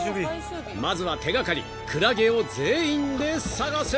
［まずは手掛かりクラゲを全員で探せ！］